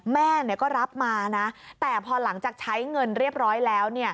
แม่ก็รับมานะแต่พอหลังจากใช้เงินเรียบร้อยแล้ว